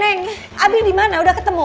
neneng abi dimana udah ketemu